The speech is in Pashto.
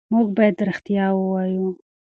موږ باید رښتیا ووایو.